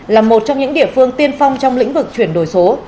là một trong những địa phương tiên phong trong lĩnh vực chuyển đổi số